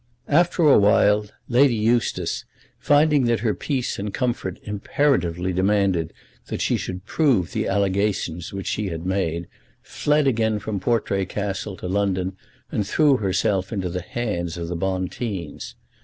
After a while Lady Eustace, finding that her peace and comfort imperatively demanded that she should prove the allegations which she had made, fled again from Portray Castle to London, and threw herself into the hands of the Bonteens.